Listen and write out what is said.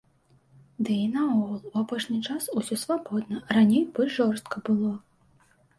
Ды і наогул у апошні час усё свабодна, раней больш жорстка было.